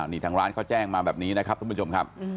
นี่ทางร้านแจ้งมาแบบนี้ครับคุณผู้ชม